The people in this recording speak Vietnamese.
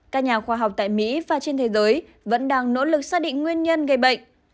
các nhà khoa học tại mỹ và trên thế giới vẫn đang nỗ lực xác định nguyên nhân gây bệnh